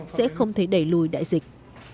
sẽ không thể đẩy lùi đại dịch